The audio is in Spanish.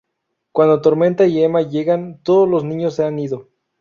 Cuando Tormenta y Emma llegan todos los niños se han ido.